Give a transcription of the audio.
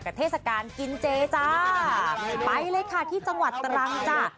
เทศกาลกินเจจ้าไปเลยค่ะที่จังหวัดตรังจ้ะ